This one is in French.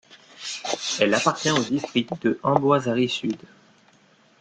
Elle appartient au district de Amboasary sud.